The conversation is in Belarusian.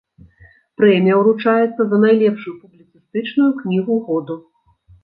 Прэмія ўручаецца за найлепшую публіцыстычную кнігу году.